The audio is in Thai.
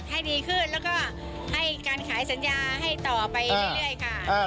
ให้ดีขึ้นแล้วก็ให้การขายสัญญาให้ต่อไปเรื่อยค่ะ